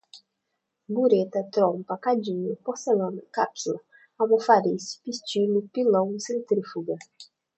bureta, trompa, cadinho, porcelana, cápsula, almofariz, pistilo, pilão, centrífuga